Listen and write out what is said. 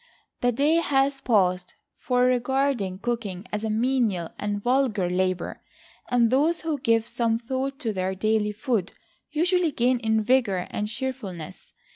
The day has passed for regarding cooking as a menial and vulgar labor; and those who give some thought to their daily food usually gain in vigor and cheerfulness.